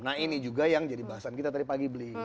nah ini juga yang jadi bahasan kita tadi pagi beli